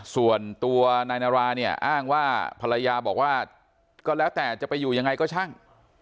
ส่วนตัวนายนาราเนี่ยอ้างว่าภรรยาบอกว่าก็แล้วแต่จะไปอยู่ยังไงก็ช่าง